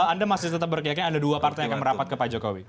anda masih tetap berkeyakin ada dua partai yang akan merapat ke pak jokowi